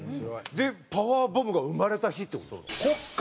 でパワーボムが生まれた日って事ですか？